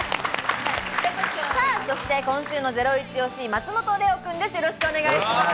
そして今週のゼロイチ推し、松本怜生君です。